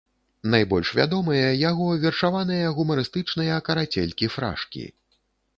Найбольш вядомыя яго вершаваныя гумарыстычныя карацелькі-фрашкі.